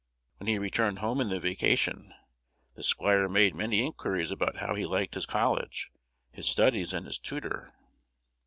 When he returned home in the vacation, the squire made many inquiries about how he liked his college, his studies, and his tutor.